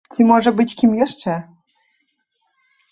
Ці, можа быць, кім яшчэ?